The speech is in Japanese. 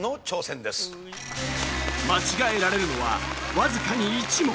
間違えられるのはわずかに１問。